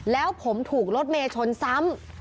แล้วผมถูกรถเมย์ชนซ้ำ